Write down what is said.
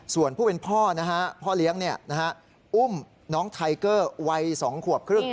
ส่วนผู้เป็นพ่อพ่อเลี้ยงอุ้มน้องไทเกอร์วัย๒ขวบครึ่ง